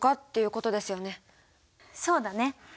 そうだね。